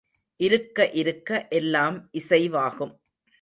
இருக்க இருக்க எல்லாம் இசைவாகும்.